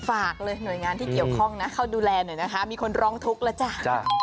ฝากเลยหน่วยงานที่เกี่ยวข้องนะเข้าดูแลหน่อยนะคะมีคนร้องทุกข์แล้วจ้ะ